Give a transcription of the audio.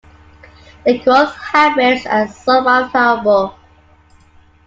Their growth habits are somewhat variable.